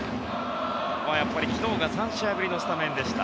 昨日が３試合ぶりのスタメンでした。